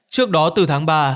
trước đó từ tháng ba